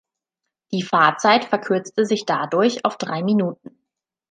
Die Fahrzeit verkürzt sich dadurch auf drei Minuten.